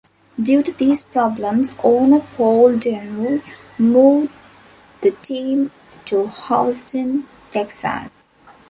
Due to these problems, owner Paul Deneau moved the team to Houston, Texas.